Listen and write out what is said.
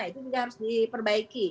itu juga harus diperbaiki